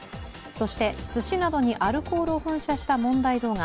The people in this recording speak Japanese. そして、すしなどにアルコールを噴射した問題動画。